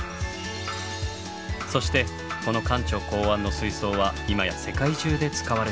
そしてこの館長考案の水槽は今や世界中で使われているのです。